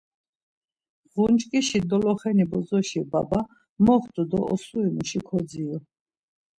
Ğunçkişi doloxeni bozoşi baba moxtu do osuri muşi kodziru.